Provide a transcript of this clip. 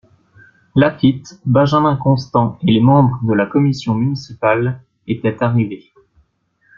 Laffite, Benjamin Constant et les membres de la Commission municipale étaient arrivés.